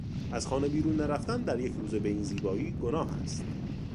از خانه بیرون نرفتن در یک روز به این زیبایی گناه است.